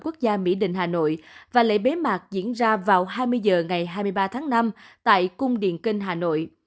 quốc gia mỹ đình hà nội và lễ bế mạc diễn ra vào hai mươi h ngày hai mươi ba tháng năm tại cung điện kênh hà nội